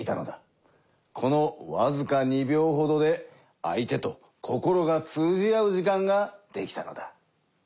このわずか２秒ほどで相手と心が通じ合う時間ができたのだ。